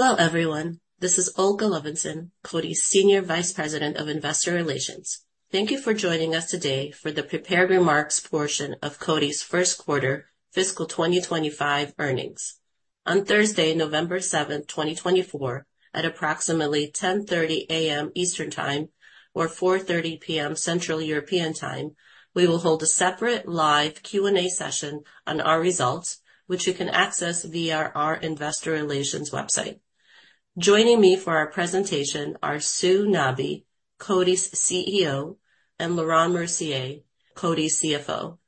Hello, everyone. This is Olga Levinzon, Coty's Senior Vice President of Investor Relations. Thank you for joining us today for the prepared remarks portion of Coty's first quarter fiscal 2025 earnings. On Thursday, November 7, 2024, at approximately 10:30 A.M. Eastern Time or 4:30 P.M. Central European Time, we will hold a separate live Q&A session on our results, which you can access via our Investor Relations website. Joining me for our presentation are Sue Nabi, Coty's CEO, and Laurent Mercier, Coty's CFO.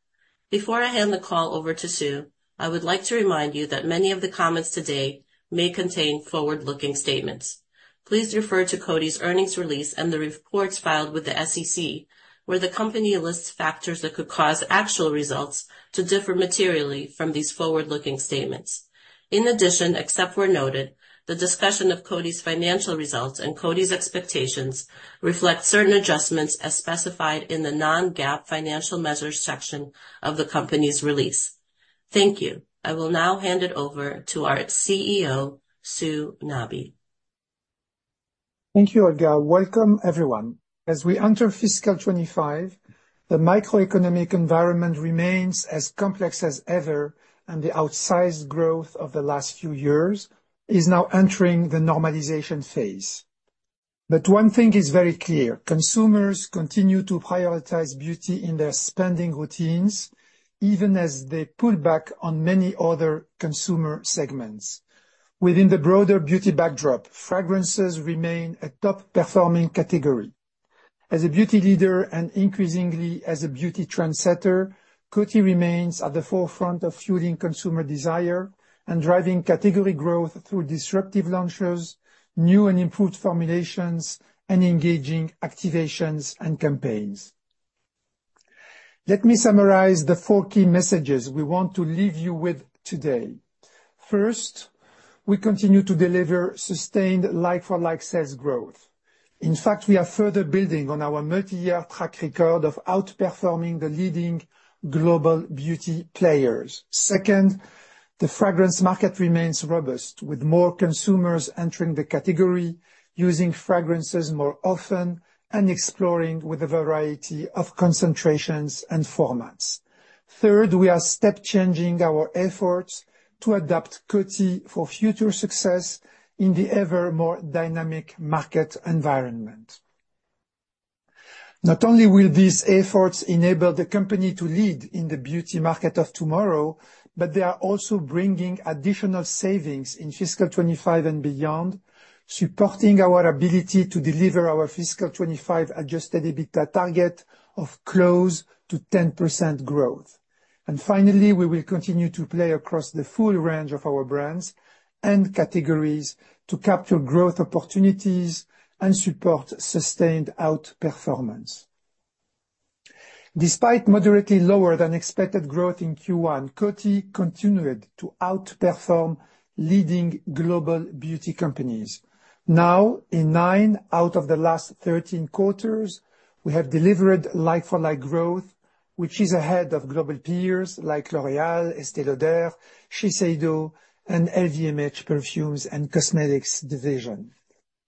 Before I hand the call over to Sue, I would like to remind you that many of the comments today may contain forward-looking statements. Please refer to Coty's earnings release and the reports filed with the SEC, where the company lists factors that could cause actual results to differ materially from these forward-looking statements. In addition, except where noted, the discussion of Coty's financial results and Coty's expectations reflects certain adjustments as specified in the non-GAAP financial measures section of the company's release. Thank you. I will now hand it over to our CEO, Sue Nabi. Thank you, Olga. Welcome, everyone. As we enter fiscal 2025, the macroeconomic environment remains as complex as ever, and the outsized growth of the last few years is now entering the normalization phase. But one thing is very clear: consumers continue to prioritize beauty in their spending routines, even as they pull back on many other consumer segments. Within the broader beauty backdrop, fragrances remain a top-performing category. As a beauty leader and increasingly as a beauty trendsetter, Coty remains at the forefront of fueling consumer desire and driving category growth through disruptive launches, new and improved formulations, and engaging activations and campaigns. Let me summarize the four key messages we want to leave you with today. First, we continue to deliver sustained like-for-like sales growth. In fact, we are further building on our multi-year track record of outperforming the leading global beauty players. Second, the fragrance market remains robust, with more consumers entering the category, using fragrances more often, and exploring with a variety of concentrations and formats. Third, we are step-changing our efforts to adapt Coty for future success in the ever-more dynamic market environment. Not only will these efforts enable the company to lead in the beauty market of tomorrow, but they are also bringing additional savings in fiscal 2025 and beyond, supporting our ability to deliver our fiscal 2025 Adjusted EBITDA target of close to 10% growth. And finally, we will continue to play across the full range of our brands and categories to capture growth opportunities and support sustained outperformance. Despite moderately lower than expected growth in Q1, Coty continued to outperform leading global beauty companies. Now, in nine out of the last 13 quarters, we have delivered like-for-like growth, which is ahead of global peers like L'Oréal, Estée Lauder, Shiseido, and LVMH perfumes and cosmetics division.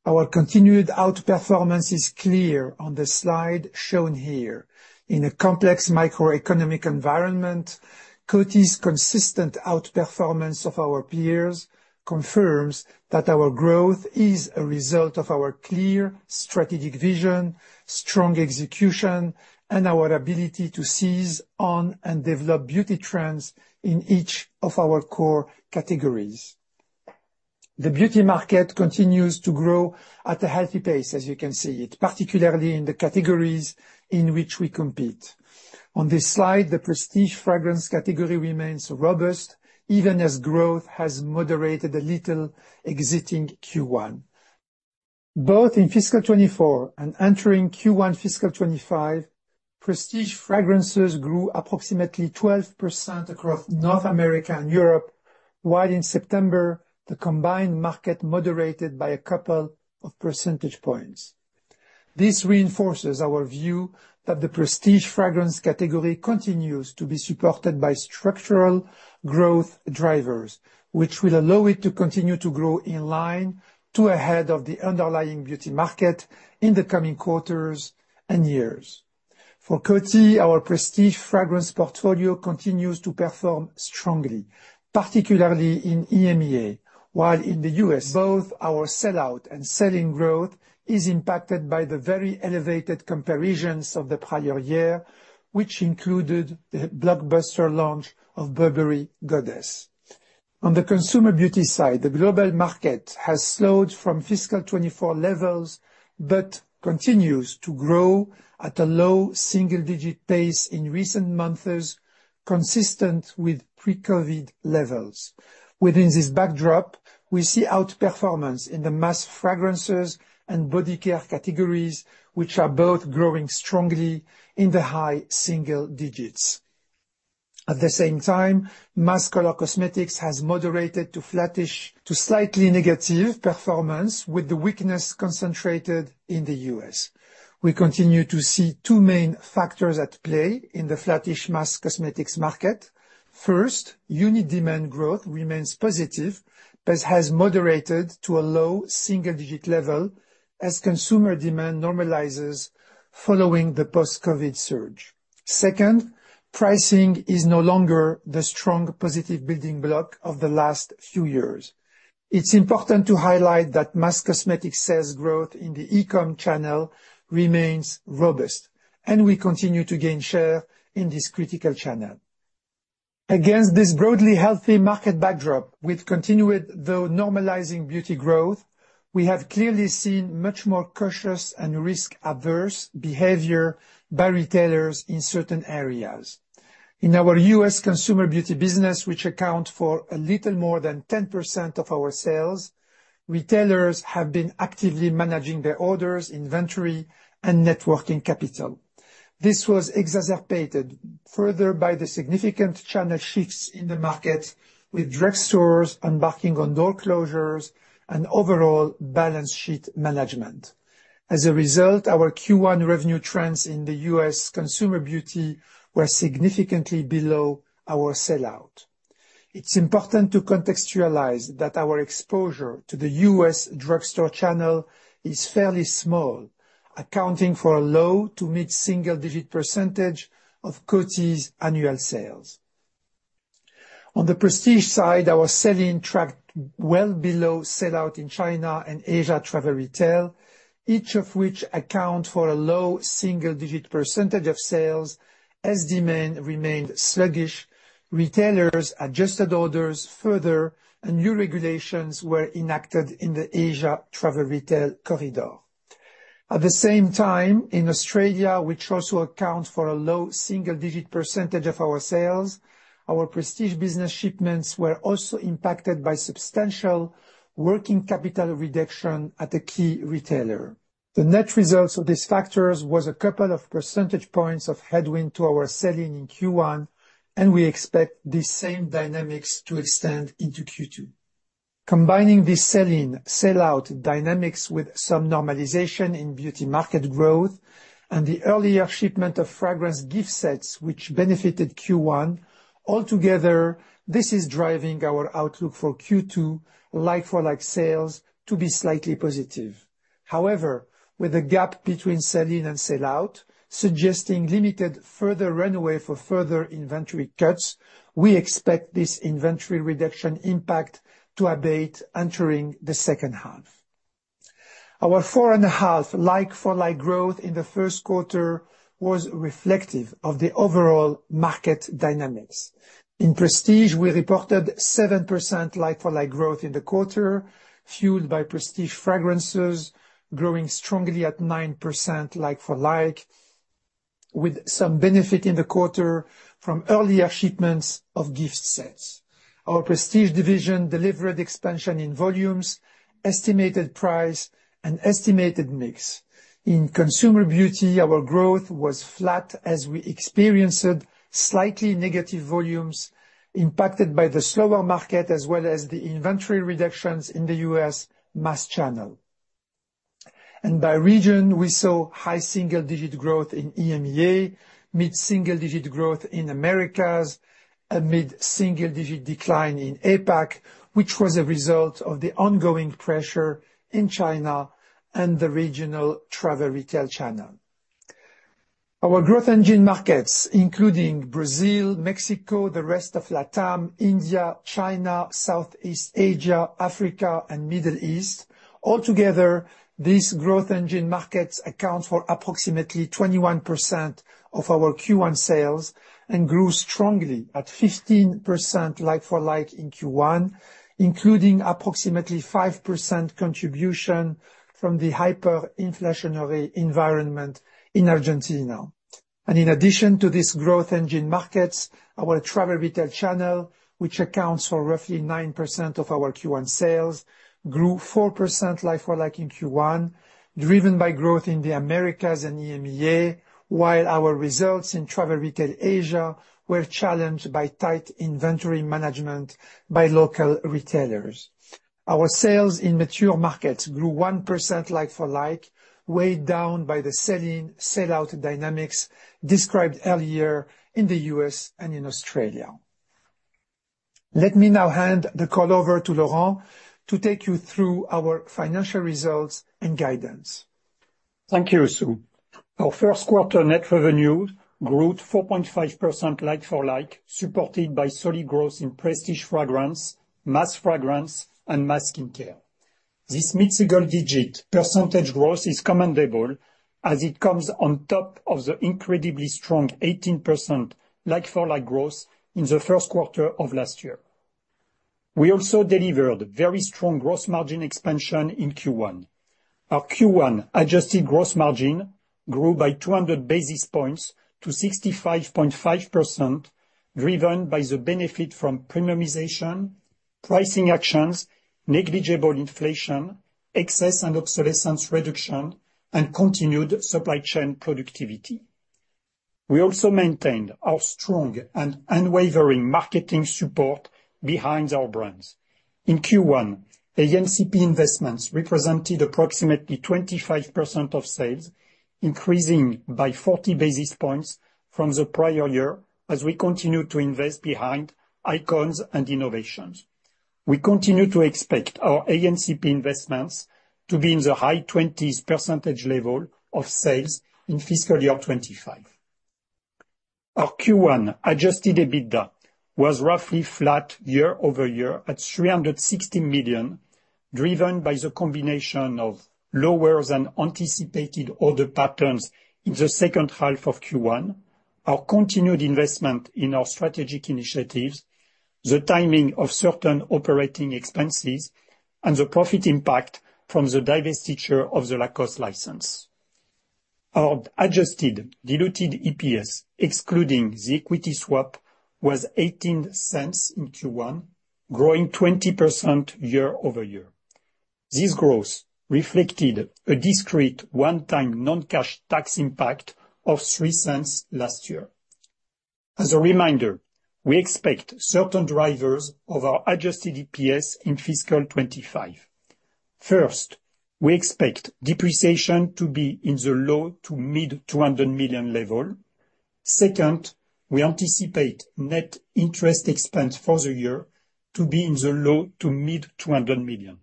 Our continued outperformance is clear on the slide shown here. In a complex microeconomic environment, Coty's consistent outperformance of our peers confirms that our growth is a result of our clear strategic vision, strong execution, and our ability to seize on and develop beauty trends in each of our core categories. The beauty market continues to grow at a healthy pace, as you can see, particularly in the categories in which we compete. On this slide, the prestige fragrance category remains robust, even as growth has moderated a little exiting Q1. Both in fiscal 2024 and entering Q1 fiscal 2025, prestige fragrances grew approximately 12% across North America and Europe, while in September, the combined market moderated by a couple of percentage points. This reinforces our view that the prestige fragrance category continues to be supported by structural growth drivers, which will allow it to continue to grow in line to ahead of the underlying beauty market in the coming quarters and years. For Coty, our prestige fragrance portfolio continues to perform strongly, particularly in EMEA, while in the U.S., both our sell-out and sell-in growth is impacted by the very elevated comparisons of the prior year, which included the blockbuster launch of Burberry Goddess. On the consumer beauty side, the global market has slowed from fiscal 2024 levels but continues to grow at a low single-digit pace in recent months, consistent with pre-COVID levels. Within this backdrop, we see outperformance in the mass fragrances and body care categories, which are both growing strongly in the high single digits. At the same time, mass color cosmetics has moderated to flattish to slightly negative performance, with the weakness concentrated in the U.S. We continue to see two main factors at play in the flattish mass cosmetics market. First, unit demand growth remains positive but has moderated to a low single-digit level as consumer demand normalizes following the post-COVID surge. Second, pricing is no longer the strong positive building block of the last few years. It's important to highlight that mass cosmetics sales growth in the e-com channel remains robust, and we continue to gain share in this critical channel. Against this broadly healthy market backdrop, with continued though normalizing beauty growth, we have clearly seen much more cautious and risk-averse behavior by retailers in certain areas. In our U.S. consumer beauty business, which accounts for a little more than 10% of our sales, retailers have been actively managing their orders, inventory, and net working capital. This was exacerbated further by the significant channel shifts in the market, with drugstores embarking on door closures and overall balance sheet management. As a result, our Q1 revenue trends in the U.S. consumer beauty were significantly below our sell-out. It's important to contextualize that our exposure to the U.S. drugstore channel is fairly small, accounting for a low to mid-single-digit percentage of Coty's annual sales. On the prestige side, our sell-in tracked well below sell-out in China and Asia travel retail, each of which accounts for a low single-digit percentage of sales as demand remained sluggish. Retailers adjusted orders further, and new regulations were enacted in the Asia travel retail corridor. At the same time, in Australia, which also accounts for a low single-digit % of our sales, our prestige business shipments were also impacted by substantial working capital reduction at a key retailer. The net result of these factors was a couple of percentage points of headwind to our sell-in in Q1, and we expect these same dynamics to extend into Q2. Combining these sell-in sell-out dynamics with some normalization in beauty market growth and the earlier shipment of fragrance gift sets which benefited Q1, altogether, this is driving our outlook for Q2 like-for-like sales to be slightly positive. However, with the gap between sell-in and sell-out suggesting limited further runway for further inventory cuts, we expect this inventory reduction impact to abate entering the second half. Our 4.5% like-for-like growth in the first quarter was reflective of the overall market dynamics. In Prestige, we reported 7% like-for-like growth in the quarter, fueled by Prestige Fragrances growing strongly at 9% like-for-like, with some benefit in the quarter from earlier shipments of gift sets. Our Prestige division delivered expansion in volumes, estimated price, and estimated mix. In Consumer Beauty, our growth was flat as we experienced slightly negative volumes impacted by the slower market as well as the inventory reductions in the U.S. mass channel, and by region, we saw high single-digit growth in EMEA, mid-single-digit growth in Americas, a mid-single-digit decline in APAC, which was a result of the ongoing pressure in China and the regional travel retail channel. Our growth engine markets, including Brazil, Mexico, the rest of LATAM, India, China, Southeast Asia, Africa, and Middle East, altogether, these growth engine markets account for approximately 21% of our Q1 sales and grew strongly at 15% like-for-like in Q1, including approximately 5% contribution from the hyper-inflationary environment in Argentina, and in addition to these growth engine markets, our travel retail channel, which accounts for roughly 9% of our Q1 sales, grew 4% like-for-like in Q1, driven by growth in the Americas and EMEA, while our results in travel retail Asia were challenged by tight inventory management by local retailers. Our sales in mature markets grew 1% like-for-like, weighed down by the sell-in sell-out dynamics described earlier in the US and in Australia. Let me now hand the call over to Laurent to take you through our financial results and guidance. Thank you, Sue. Our first quarter net revenue grew 4.5% like-for-like, supported by solid growth in prestige fragrance, mass fragrance, and mass skincare. This mid-single-digit % growth is commendable as it comes on top of the incredibly strong 18% like-for-like growth in the first quarter of last year. We also delivered very strong gross margin expansion in Q1. Our Q1 adjusted gross margin grew by 200 basis points to 65.5%, driven by the benefit from premiumization, pricing actions, negligible inflation, excess and obsolescence reduction, and continued supply chain productivity. We also maintained our strong and unwavering marketing support behind our brands. In Q1, ANCP investments represented approximately 25% of sales, increasing by 40 basis points from the prior year as we continue to invest behind icons and innovations. We continue to expect our ANCP investments to be in the high 20s % level of sales in fiscal year 2025. Our Q1 adjusted EBITDA was roughly flat year-over-year at $360 million, driven by the combination of lower than anticipated order patterns in the second half of Q1, our continued investment in our strategic initiatives, the timing of certain operating expenses, and the profit impact from the divestiture of the Lacoste license. Our adjusted diluted EPS, excluding the equity swap, was $0.18 in Q1, growing 20% year-over-year. This growth reflected a discrete one-time non-cash tax impact of $0.03 last year. As a reminder, we expect certain drivers of our adjusted EPS in fiscal 2025. First, we expect depreciation to be in the low to mid $200 million level. Second, we anticipate net interest expense for the year to be in the low to mid $200 million.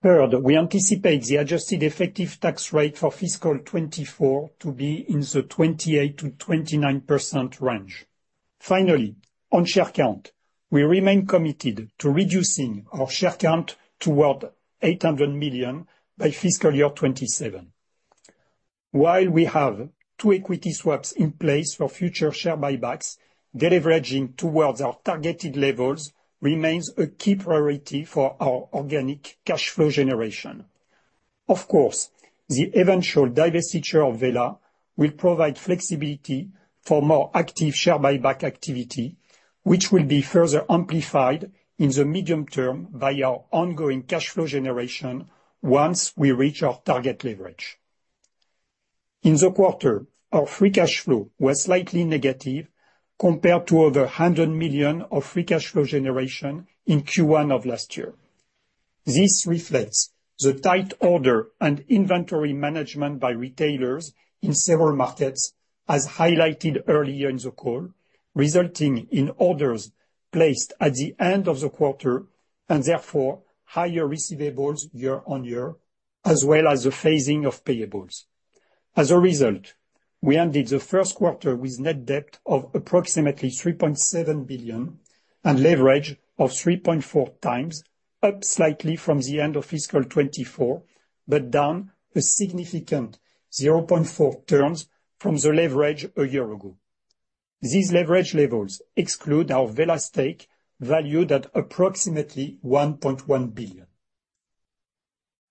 Third, we anticipate the adjusted effective tax rate for fiscal 2024 to be in the 28%-29% range. Finally, on share count, we remain committed to reducing our share count toward 800 million by fiscal year 2027. While we have two equity swaps in place for future share buybacks, deleveraging towards our targeted levels remains a key priority for our organic cash flow generation. Of course, the eventual divestiture of Vela will provide flexibility for more active share buyback activity, which will be further amplified in the medium term by our ongoing cash flow generation once we reach our target leverage. In the quarter, our free cash flow was slightly negative compared to over $100 million of free cash flow generation in Q1 of last year. This reflects the tight order and inventory management by retailers in several markets, as highlighted earlier in the call, resulting in orders placed at the end of the quarter and therefore higher receivables year-on-year, as well as the phasing of payables. As a result, we ended the first quarter with net debt of approximately $3.7 billion and leverage of 3.4 times, up slightly from the end of fiscal 2024 but down a significant 0.4 turns from the leverage a year ago. These leverage levels exclude our Wella stake valued at approximately $1.1 billion.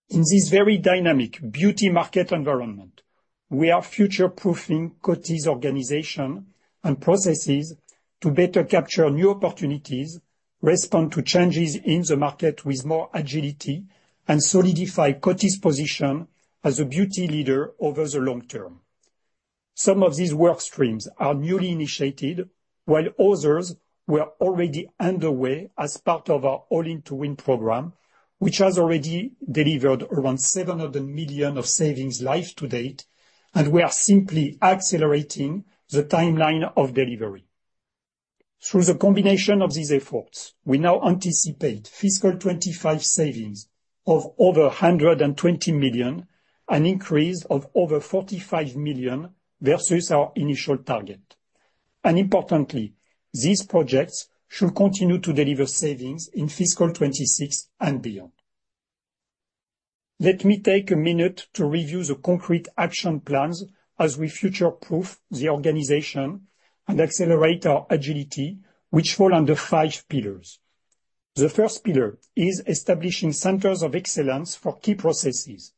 In this very dynamic beauty market environment, we are future-proofing Coty's organization and processes to better capture new opportunities, respond to changes in the market with more agility, and solidify Coty's position as a beauty leader over the long term. Some of these work streams are newly initiated, while others were already underway as part of our all-in-to-win program, which has already delivered around $700 million of savings live to date, and we are simply accelerating the timeline of delivery. Through the combination of these efforts, we now anticipate fiscal 2025 savings of over $120 million, an increase of over $45 million versus our initial target. And importantly, these projects should continue to deliver savings in fiscal 2026 and beyond. Let me take a minute to review the concrete action plans as we future-proof the organization and accelerate our agility, which fall under five pillars. The first pillar is establishing centers of excellence for key processes.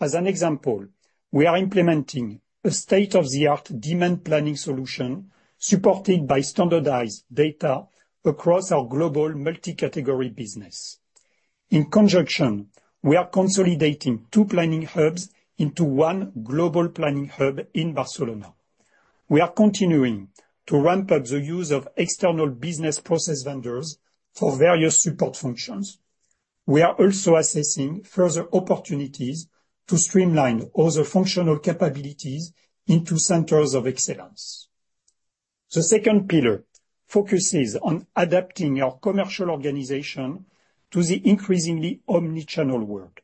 As an example, we are implementing a state-of-the-art demand planning solution supported by standardized data across our global multi-category business. In conjunction, we are consolidating two planning hubs into one global planning hub in Barcelona. We are continuing to ramp up the use of external business process vendors for various support functions. We are also assessing further opportunities to streamline all the functional capabilities into centers of excellence. The second pillar focuses on adapting our commercial organization to the increasingly omnichannel world.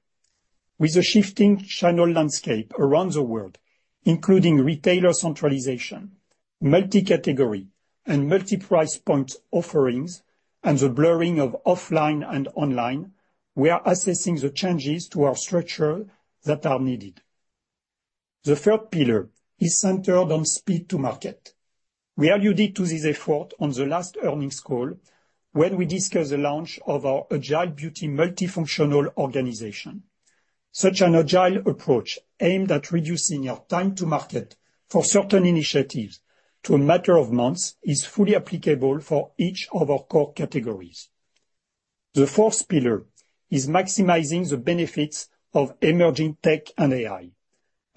With the shifting channel landscape around the world, including retailer centralization, multi-category, and multi-price point offerings, and the blurring of offline and online, we are assessing the changes to our structure that are needed. The third pillar is centered on speed to market. We alluded to this effort on the last earnings call when we discussed the launch of our agile beauty multi-functional organization. Such an agile approach aimed at reducing your time to market for certain initiatives to a matter of months is fully applicable for each of our core categories. The fourth pillar is maximizing the benefits of emerging tech and AI.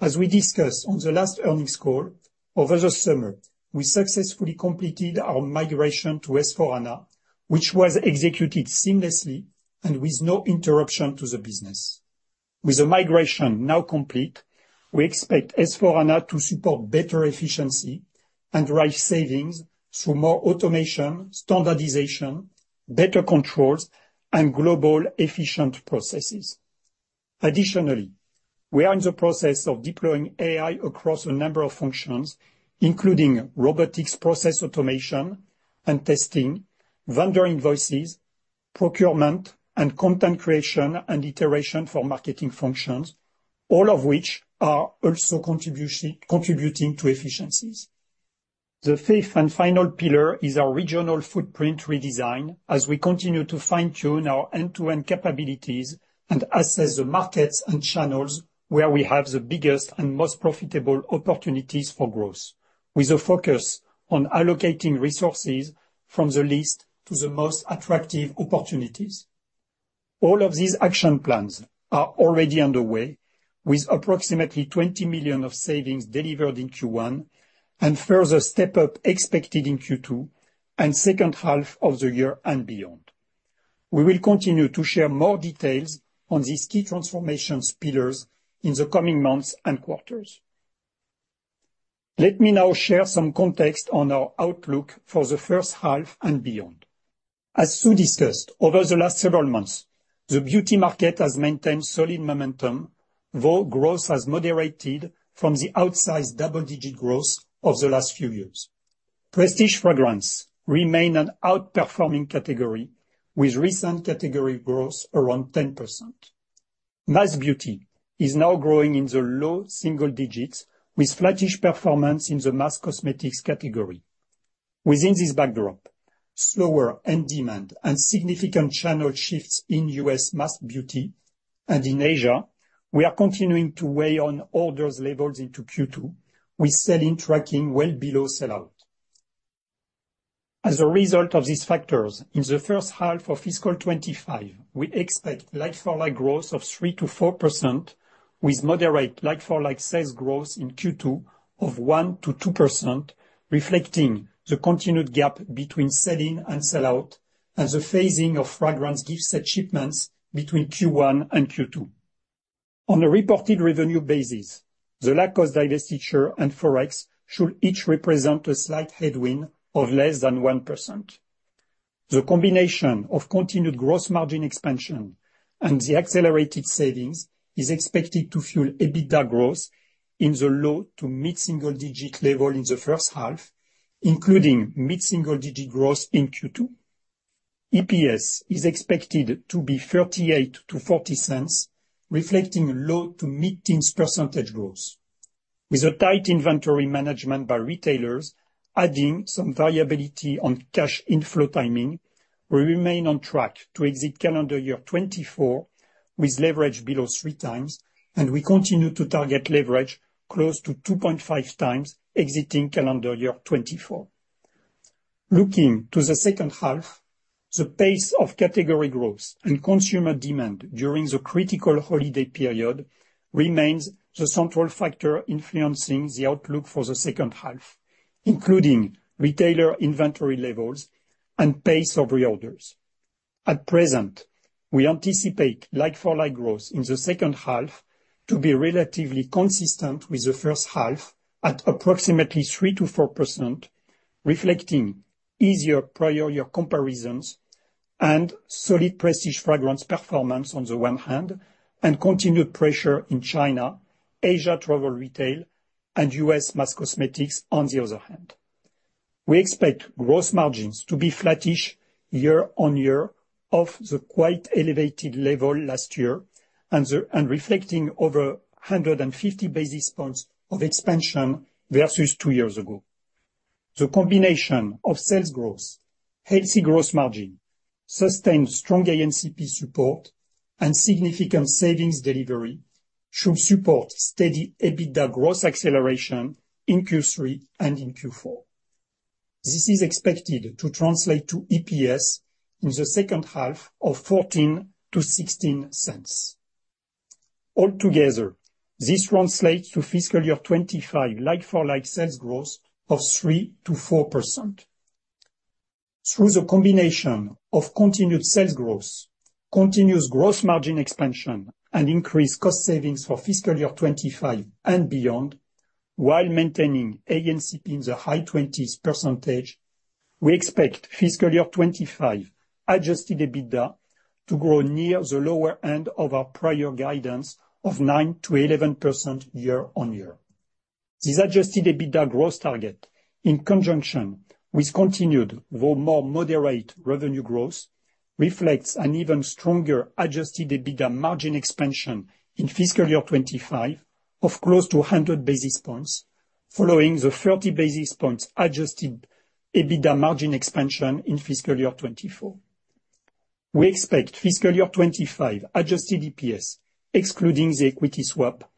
As we discussed on the last earnings call over the summer, we successfully completed our migration to S/4HANA, which was executed seamlessly and with no interruption to the business. With the migration now complete, we expect S/4HANA to support better efficiency and drive savings through more automation, standardization, better controls, and global efficient processes. Additionally, we are in the process of deploying AI across a number of functions, including robotics process automation and testing, vendor invoices, procurement, and content creation and iteration for marketing functions, all of which are also contributing to efficiencies. The fifth and final pillar is our regional footprint redesign as we continue to fine-tune our end-to-end capabilities and assess the markets and channels where we have the biggest and most profitable opportunities for growth, with a focus on allocating resources from the least to the most attractive opportunities. All of these action plans are already underway, with approximately $20 million of savings delivered in Q1 and further step-up expected in Q2 and second half of the year and beyond. We will continue to share more details on these key transformation pillars in the coming months and quarters. Let me now share some context on our outlook for the first half and beyond. As Sue discussed, over the last several months, the beauty market has maintained solid momentum, though growth has moderated from the outsized double-digit growth of the last few years. Prestige fragrance remains an outperforming category, with recent category growth around 10%. Mass beauty is now growing in the low single digits, with flattish performance in the mass cosmetics category. Within this backdrop, slower end demand and significant channel shifts in U.S. mass beauty and in Asia continue to weigh on order levels into Q2, with sell-in tracking well below sell-out. As a result of these factors, in the first half of fiscal 2025, we expect like-for-like growth of 3%-4%, with moderate like-for-like sales growth in Q2 of 1%-2%, reflecting the continued gap between sell-in and sell-out and the phasing of fragrance gifts achievements between Q1 and Q2. On a reported revenue basis, the Lacoste divestiture and Forex should each represent a slight headwind of less than 1%. The combination of continued gross margin expansion and the accelerated savings is expected to fuel EBITDA growth in the low- to mid-single-digit level in the first half, including mid-single-digit growth in Q2. EPS is expected to be $0.38-$0.40, reflecting low- to mid-teens % growth. With a tight inventory management by retailers, adding some variability on cash inflow timing, we remain on track to exit calendar year 2024 with leverage below three times, and we continue to target leverage close to 2.5 times exiting calendar year 2024. Looking to the second half, the pace of category growth and consumer demand during the critical holiday period remains the central factor influencing the outlook for the second half, including retailer inventory levels and pace of reorders. At present, we anticipate like-for-like growth in the second half to be relatively consistent with the first half at approximately 3%-4%, reflecting easier prior year comparisons and solid prestige fragrance performance on the one hand, and continued pressure in China, Asia travel retail, and U.S. mass cosmetics on the other hand. We expect gross margins to be flattish year on year off the quite elevated level last year and reflecting over 150 basis points of expansion versus two years ago. The combination of sales growth, healthy gross margin, sustained strong ANCP support, and significant savings delivery should support steady EBITDA growth acceleration in Q3 and in Q4. This is expected to translate to EPS in the second half of $0.14-$0.16. Altogether, this translates to fiscal year 2025 like-for-like sales growth of 3%-4%. Through the combination of continued sales growth, continuous gross margin expansion, and increased cost savings for fiscal year 2025 and beyond, while maintaining ANCP in the high 20s%, we expect fiscal year 2025 adjusted EBITDA to grow near the lower end of our prior guidance of 9%-11% year-on-year. This adjusted EBITDA growth target, in conjunction with continued, though more moderate, revenue growth, reflects an even stronger adjusted EBITDA margin expansion in fiscal year 2025 of close to 100 basis points, following the 30 basis points adjusted EBITDA margin expansion in fiscal year 2024. We expect fiscal year 2025 adjusted EPS, excluding the equity swap,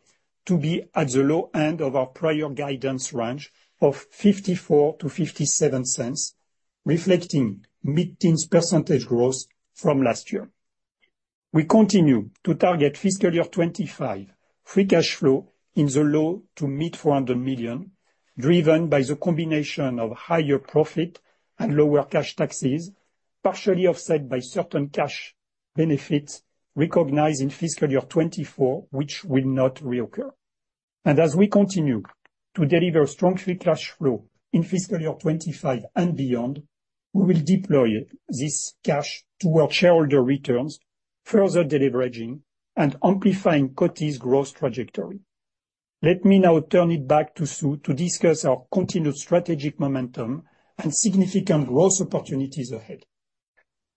to be at the low end of our prior guidance range of $0.54-$0.57, reflecting mid-teens% growth from last year. We continue to target fiscal year 2025 free cash flow in the low to mid-$400 million, driven by the combination of higher profit and lower cash taxes, partially offset by certain cash benefits recognized in fiscal year 2024, which will not reoccur. As we continue to deliver strong free cash flow in fiscal year 2025 and beyond, we will deploy this cash toward shareholder returns, further deleveraging and amplifying Coty's growth trajectory. Let me now turn it back to Sue to discuss our continued strategic momentum and significant growth opportunities ahead.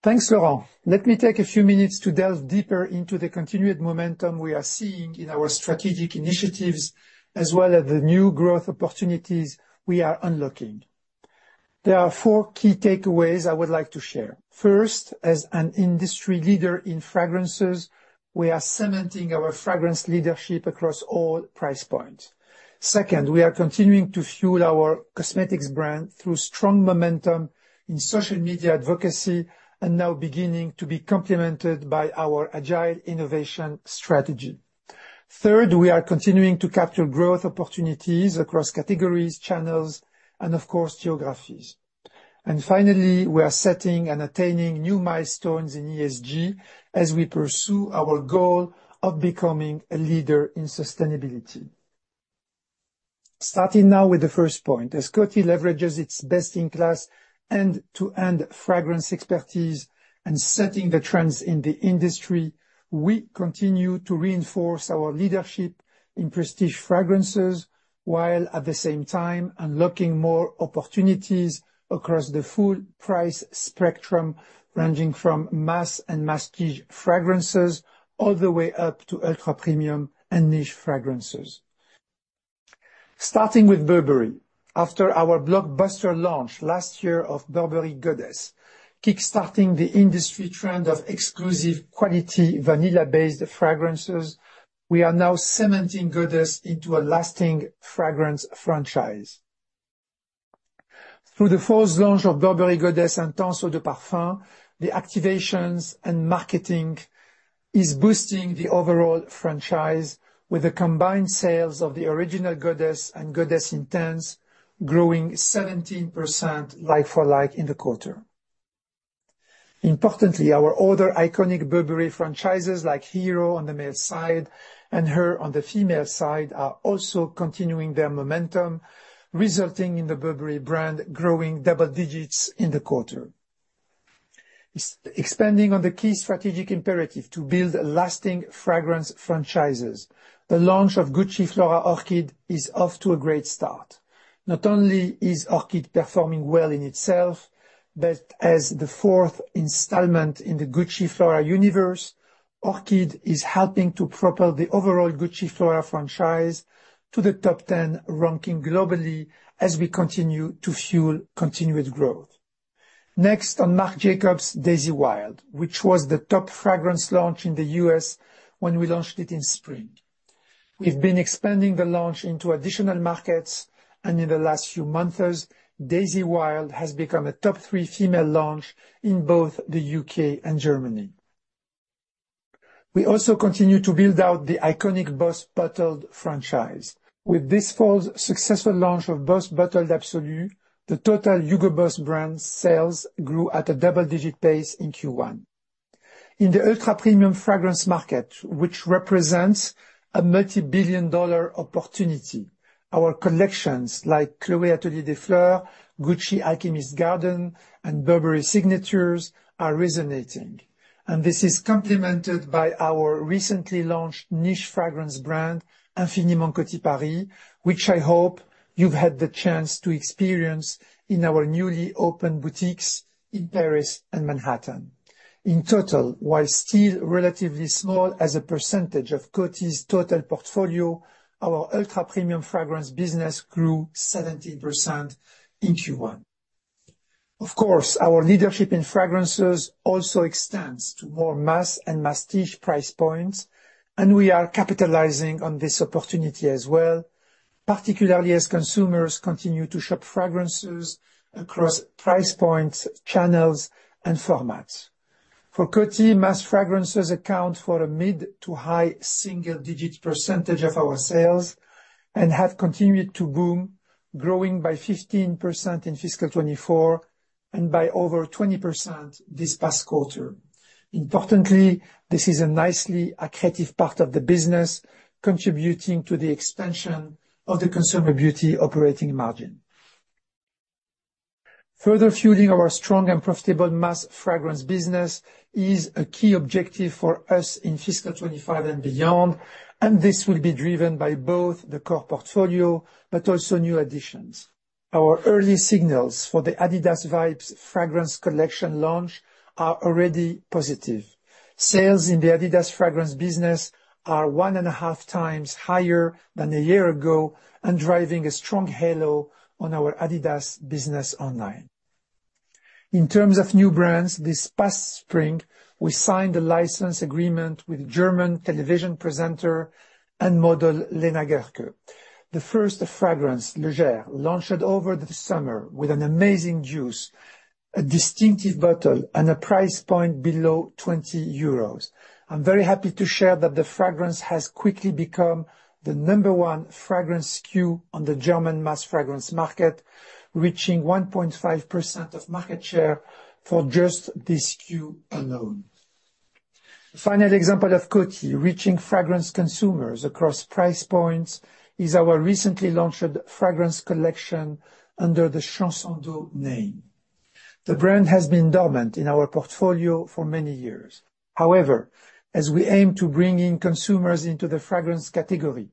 Thanks, Laurent. Let me take a few minutes to delve deeper into the continued momentum we are seeing in our strategic initiatives, as well as the new growth opportunities we are unlocking. There are four key takeaways I would like to share. First, as an industry leader in fragrances, we are cementing our fragrance leadership across all price points. Second, we are continuing to fuel our cosmetics brand through strong momentum in social media advocacy and now beginning to be complemented by our agile innovation strategy. Third, we are continuing to capture growth opportunities across categories, channels, and of course, geographies. And finally, we are setting and attaining new milestones in ESG as we pursue our goal of becoming a leader in sustainability. Starting now with the first point, as Coty leverages its best-in-class end-to-end fragrance expertise and setting the trends in the industry, we continue to reinforce our leadership in prestige fragrances while at the same time unlocking more opportunities across the full price spectrum ranging from Mass and Masstige fragrances all the way up to ultra premium and niche fragrances. Starting with Burberry, after our blockbuster launch last year of Burberry Goddess, kickstarting the industry trend of exclusive quality vanilla-based fragrances, we are now cementing Goddess into a lasting fragrance franchise. Through the forced launch of Burberry Goddess and Intense Eau de Parfum, the activations and marketing are boosting the overall franchise with the combined sales of the original Goddess and Goddess Intense, growing 17% like-for-like in the quarter. Importantly, our other iconic Burberry franchises like Hero on the male side and Her on the female side are also continuing their momentum, resulting in the Burberry brand growing double digits in the quarter. Expanding on the key strategic imperative to build lasting fragrance franchises, the launch of Gucci Flora Gorgeous Orchid is off to a great start. Not only is Orchid performing well in itself, but as the fourth installment in the Gucci Flora universe, Orchid is helping to propel the overall Gucci Flora franchise to the top 10 ranking globally as we continue to fuel continued growth. Next on Marc Jacobs, Daisy Wild, which was the top fragrance launch in the U.S. when we launched it in spring. We've been expanding the launch into additional markets, and in the last few months, Daisy Wild has become a top three female launch in both the U.K. and Germany. We also continue to build out the iconic Boss Bottled franchise. With this fourth successful launch of Boss Bottled Absolu, the total Hugo Boss brand sales grew at a double-digit pace in Q1. In the ultra premium fragrance market, which represents a multi-billion-dollar opportunity, our collections like Chloé Atelier des Fleurs, Gucci The Alchemist's Garden, and Burberry Signatures are resonating, and this is complemented by our recently launched niche fragrance brand, Infiniment Coty Paris, which I hope you've had the chance to experience in our newly opened boutiques in Paris and Manhattan. In total, while still relatively small as a percentage of Coty's total portfolio, our ultra premium fragrance business grew 17% in Q1. Of course, our leadership in fragrances also extends to more mass and masstige price points, and we are capitalizing on this opportunity as well, particularly as consumers continue to shop fragrances across price points, channels, and formats. For Coty, Mass fragrances account for a mid- to high single-digit percentage of our sales and have continued to boom, growing by 15% in fiscal 2024 and by over 20% this past quarter. Importantly, this is a nicely accretive part of the business, contributing to the expansion of the consumer beauty operating margin. Further fueling our strong and profitable mass fragrance business is a key objective for us in fiscal 2025 and beyond, and this will be driven by both the core portfolio, but also new additions. Our early signals for the Adidas Vibes fragrance collection launch are already positive. Sales in the Adidas fragrance business are one and a half times higher than a year ago and driving a strong halo on our Adidas business online. In terms of new brands, this past spring, we signed a license agreement with German television presenter and model Lena Gercke. The first fragrance, LeGer, launched over the summer with an amazing juice, a distinctive bottle, and a price point below 20 euros. I'm very happy to share that the fragrance has quickly become the number one fragrance SKU on the German mass fragrance market, reaching 1.5% of market share for just this SKU alone. A final example of Coty reaching fragrance consumers across price points is our recently launched fragrance collection under the Chanson d'Eau name. The brand has been dormant in our portfolio for many years. However, as we aim to bring in consumers into the fragrance category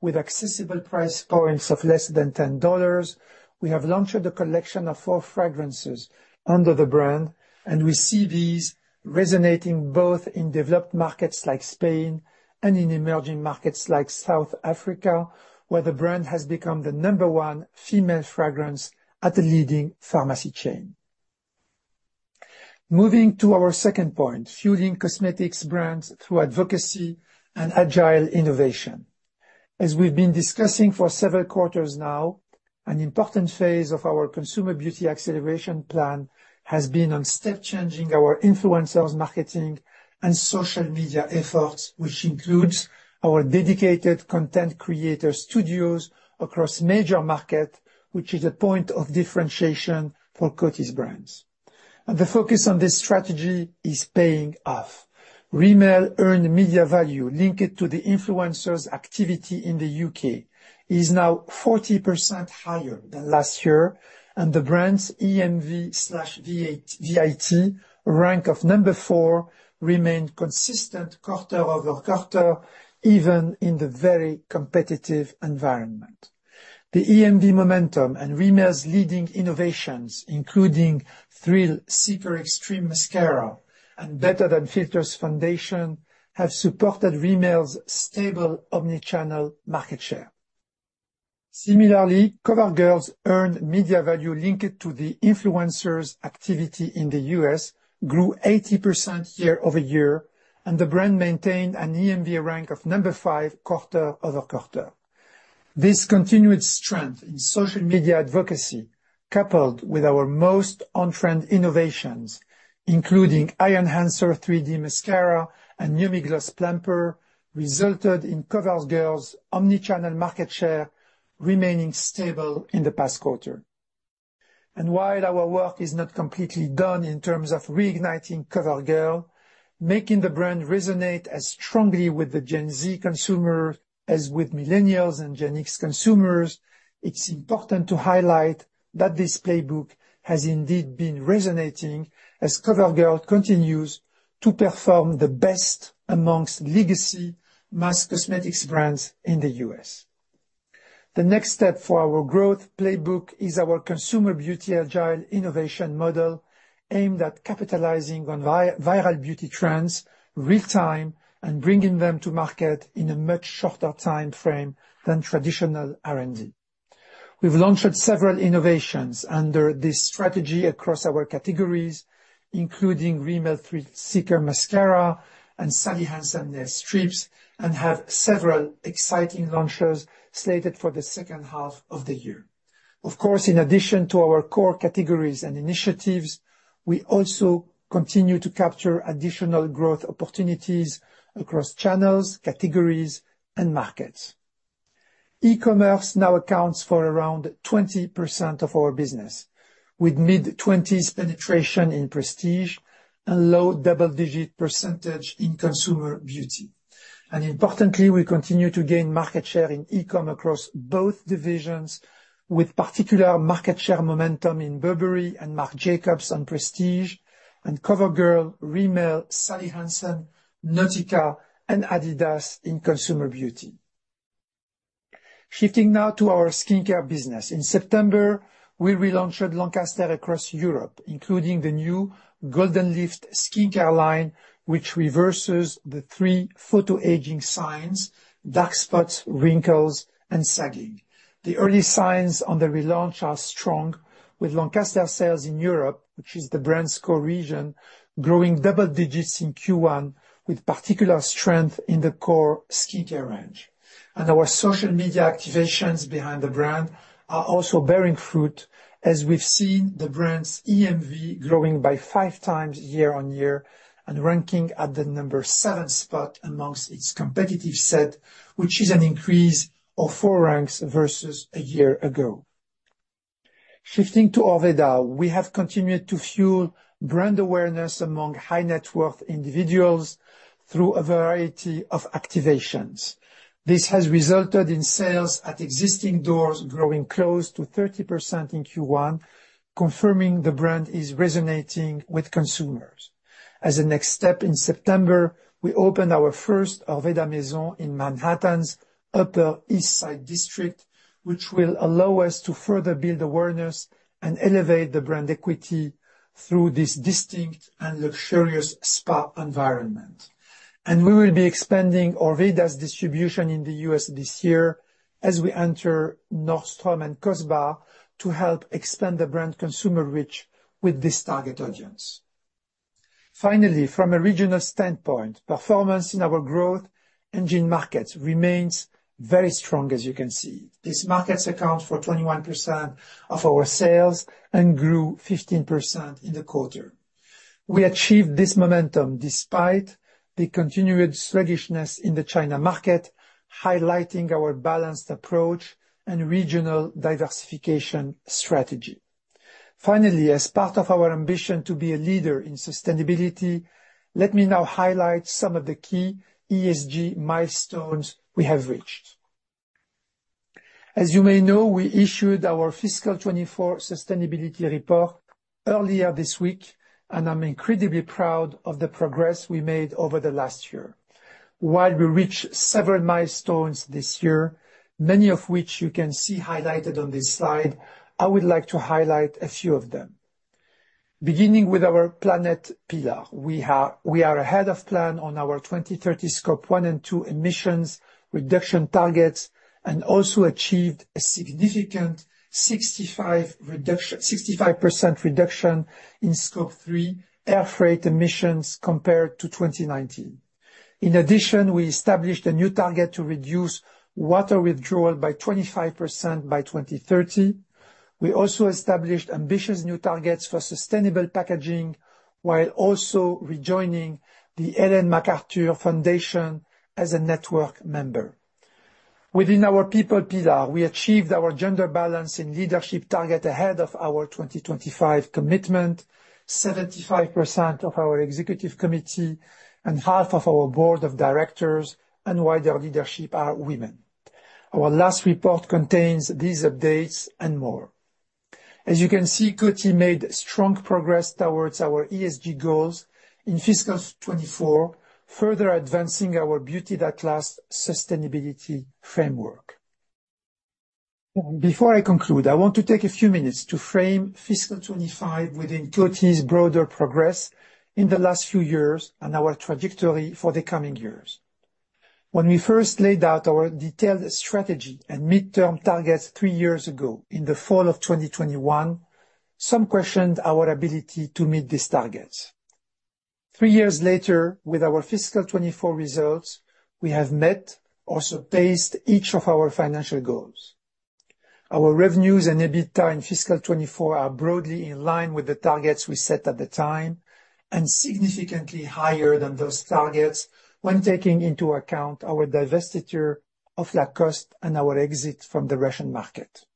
with accessible price points of less than $10, we have launched a collection of four fragrances under the brand, and we see these resonating both in developed markets like Spain and in emerging markets like South Africa, where the brand has become the number one female fragrance at a leading pharmacy chain. Moving to our second point, fueling cosmetics brands through advocacy and agile innovation. As we've been discussing for several quarters now, an important phase of our consumer beauty acceleration plan has been on step-changing our influencers' marketing and social media efforts, which includes our dedicated content creator studios across major markets, which is a point of differentiation for Coty's brands, and the focus on this strategy is paying off. Rimmel earned media value linked to the influencers' activity in the U.K. is now 40% higher than last year, and the brand's EMV/VIT rank of number four remained consistent quarter over quarter, even in the very competitive environment. The EMV momentum and Rimmel's leading innovations, including Thrill Seeker Extreme Mascara and Better Than Filters Foundation, have supported Rimmel's stable omnichannel market share. Similarly, CoverGirl's earned media value linked to the influencers' activity in the U.S. grew 80% year-over-year, and the brand maintained an EMV rank of number five quarter over quarter. This continued strength in social media advocacy, coupled with our most on-trend innovations, including Eye Enhancer 3D Mascara and Yummy Gloss Plumper, resulted in CoverGirl's omnichannel market share remaining stable in the past quarter. And while our work is not completely done in terms of reigniting CoverGirl, making the brand resonate as strongly with the Gen Z consumers as with millennials and Gen X consumers, it's important to highlight that this playbook has indeed been resonating as CoverGirl continues to perform the best amongst legacy mass cosmetics brands in the U.S. The next step for our growth playbook is our consumer beauty agile innovation model aimed at capitalizing on viral beauty trends real-time and bringing them to market in a much shorter time frame than traditional R&D. We've launched several innovations under this strategy across our categories, including Rimmel Thrill Seeker Mascara and Sally Hansen Nail Strips, and have several exciting launches slated for the second half of the year. Of course, in addition to our core categories and initiatives, we also continue to capture additional growth opportunities across channels, categories, and markets. E-commerce now accounts for around 20% of our business, with mid-20s penetration in prestige and low double-digit % in consumer beauty, and importantly, we continue to gain market share in e-comm across both divisions, with particular market share momentum in Burberry and Marc Jacobs on Prestige, and CoverGirl, Rimmel, Sally Hansen, Nautica, and Adidas in consumer beauty. Shifting now to our skincare business. In September, we relaunched Lancaster across Europe, including the new Golden Lift skincare line, which reverses the three photo-aging signs: dark spots, wrinkles, and sagging. The early signs on the relaunch are strong, with Lancaster sales in Europe, which is the brand's core region, growing double digits in Q1, with particular strength in the core skincare range. Our social media activations behind the brand are also bearing fruit, as we've seen the brand's EMV growing by five times year on year and ranking at the number seven spot amongst its competitive set, which is an increase of four ranks versus a year ago. Shifting to Orveda, we have continued to fuel brand awareness among high net worth individuals through a variety of activations. This has resulted in sales at existing doors growing close to 30% in Q1, confirming the brand is resonating with consumers. As a next step, in September, we opened our first Orveda Maison in Manhattan's Upper East Side, which will allow us to further build awareness and elevate the brand equity through this distinct and luxurious spa environment. And we will be expanding Orveda's distribution in the U.S. this year as we enter Nordstrom and Cos Bar to help expand the brand consumer reach with this target audience. Finally, from a regional standpoint, performance in our growth engine markets remains very strong, as you can see. These markets account for 21% of our sales and grew 15% in the quarter. We achieved this momentum despite the continued sluggishness in the China market, highlighting our balanced approach and regional diversification strategy. Finally, as part of our ambition to be a leader in sustainability, let me now highlight some of the key ESG milestones we have reached. As you may know, we issued our fiscal 2024 sustainability report earlier this week, and I'm incredibly proud of the progress we made over the last year. While we reached several milestones this year, many of which you can see highlighted on this slide, I would like to highlight a few of them. Beginning with our planet pillar, we are ahead of plan on our 2030 Scope one and two emissions reduction targets and also achieved a significant 65% reduction in Scope three air freight emissions compared to 2019. In addition, we established a new target to reduce water withdrawal by 25% by 2030. We also established ambitious new targets for sustainable packaging while also rejoining the Ellen MacArthur Foundation as a network member. Within our people pillar, we achieved our gender balance in leadership target ahead of our 2025 commitment. 75% of our executive committee and half of our board of directors and wider leadership are women. Our last report contains these updates and more. As you can see, Coty made strong progress towards our ESG goals in fiscal 2024, further advancing our Beauty That Lasts sustainability framework. Before I conclude, I want to take a few minutes to frame fiscal 2025 within Coty's broader progress in the last few years and our trajectory for the coming years. When we first laid out our detailed strategy and midterm targets three years ago in the fall of 2021, some questioned our ability to meet these targets. Three years later, with our fiscal 2024 results, we have met or surpassed each of our financial goals. Our revenues and EBITDA in fiscal 2024 are broadly in line with the targets we set at the time and significantly higher than those targets when taking into account our divestiture of Lacoste and our exit from the Russian market.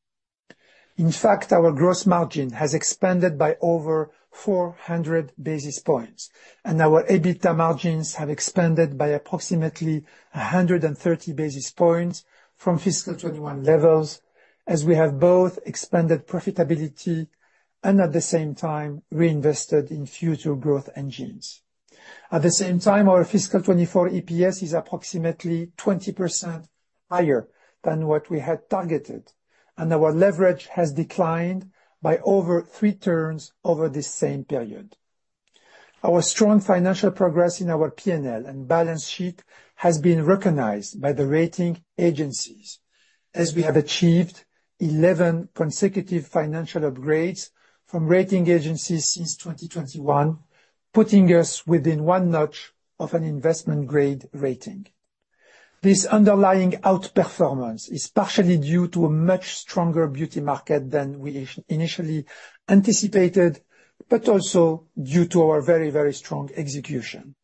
In fact, our gross margin has expanded by over 400 basis points, and our EBITDA margins have expanded by approximately 130 basis points from fiscal 2021 levels, as we have both expanded profitability and at the same time reinvested in future growth engines. At the same time, our fiscal 2024 EPS is approximately 20% higher than what we had targeted, and our leverage has declined by over three turns over this same period. Our strong financial progress in our P&L and balance sheet has been recognized by the rating agencies, as we have achieved 11 consecutive financial upgrades from rating agencies since 2021, putting us within one notch of an investment-grade rating. This underlying outperformance is partially due to a much stronger beauty market than we initially anticipated, but also due to our very, very strong execution.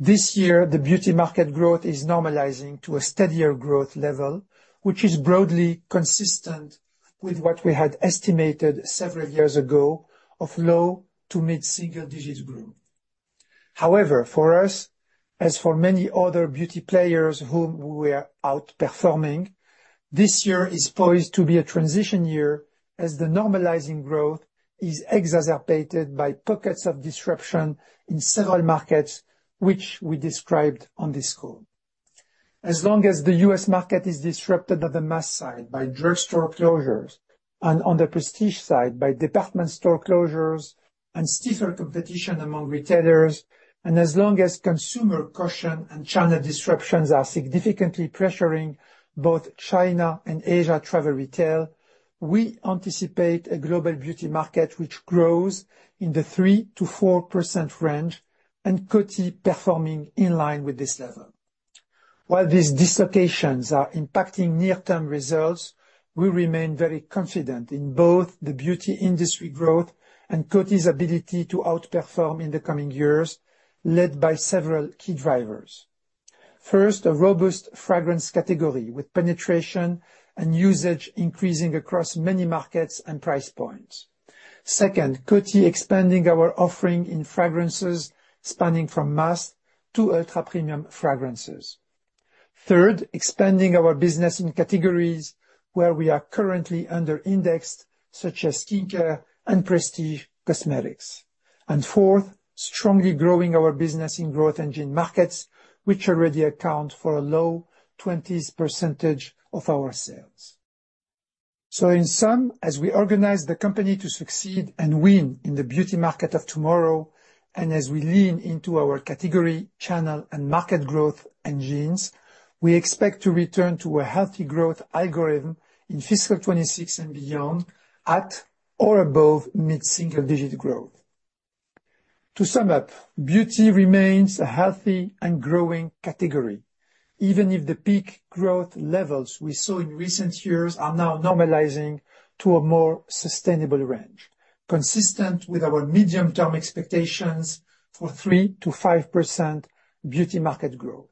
This year, the beauty market growth is normalizing to a steadier growth level, which is broadly consistent with what we had estimated several years ago of low to mid-single digits growth. However, for us, as for many other beauty players whom we were outperforming, this year is poised to be a transition year as the normalizing growth is exacerbated by pockets of disruption in several markets, which we described on this call. As long as the U.S. market is disrupted on the mass side by drugstore closures and on the prestige side by department store closures and stiffer competition among retailers, and as long as consumer caution and channel disruptions are significantly pressuring both China and Asia travel retail, we anticipate a global beauty market which grows in the 3%-4% range and Coty performing in line with this level. While these dislocations are impacting near-term results, we remain very confident in both the beauty industry growth and Coty's ability to outperform in the coming years, led by several key drivers. First, a robust fragrance category with penetration and usage increasing across many markets and price points. Second, Coty expanding our offering in fragrances spanning from mass to ultra-premium fragrances. Third, expanding our business in categories where we are currently under-indexed, such as skincare and prestige cosmetics. And fourth, strongly growing our business in growth engine markets, which already account for a low 20s% of our sales. So in sum, as we organize the company to succeed and win in the beauty market of tomorrow, and as we lean into our category, channel, and market growth engines, we expect to return to a healthy growth algorithm in fiscal 2026 and beyond at or above mid-single digit growth. To sum up, beauty remains a healthy and growing category, even if the peak growth levels we saw in recent years are now normalizing to a more sustainable range, consistent with our medium-term expectations for 3%-5% beauty market growth.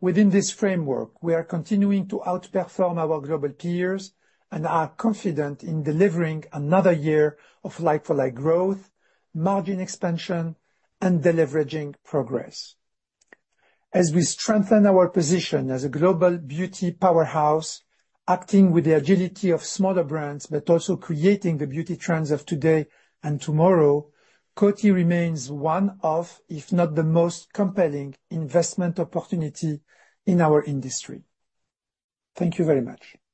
Within this framework, we are continuing to outperform our global peers and are confident in delivering another year of like-for-like growth, margin expansion, and deleveraging progress. As we strengthen our position as a global beauty powerhouse, acting with the agility of smaller brands, but also creating the beauty trends of today and tomorrow, Coty remains one of, if not the most compelling investment opportunities in our industry. Thank you very much.